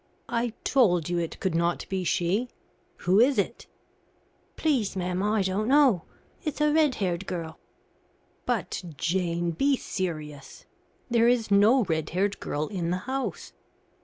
"I told you it could not be she. Who is it?" "Please, ma'am, I don't know. It's a red haired girl." "But, Jane, be serious. There is no red haired girl in the house."